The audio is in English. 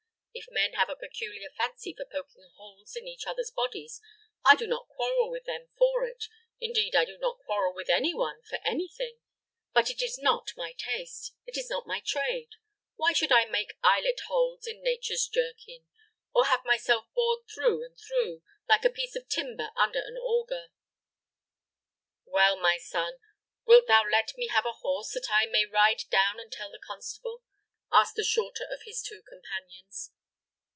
If men have a peculiar fancy for poking holes in each other's bodies, I do not quarrel with them for it. Indeed, I do not quarrel with any one for any thing; but it is not my taste: it is not my trade. Why should I make eyelet holes in nature's jerkin, or have myself bored through and through, like a piece of timber under an auger?" "Well, my son, wilt thou let me have a horse, that I may ride down and tell the constable?" asked the shorter of his two companions.